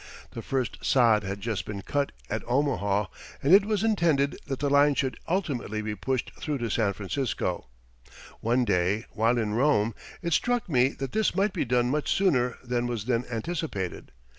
The first sod had just been cut at Omaha and it was intended that the line should ultimately be pushed through to San Francisco. One day while in Rome it struck me that this might be done much sooner than was then anticipated.